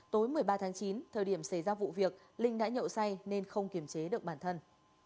tối một mươi ba tháng chín thời điểm xảy ra vụ việc linh đã nhậu say nên không kiểm chế được bản thân